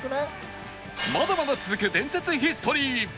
まだまだ続く伝説ヒストリー